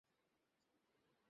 Hello, জায়গাটা ধরে রেখো।